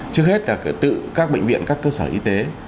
trước hết là tự các bệnh viện các cơ sở y tế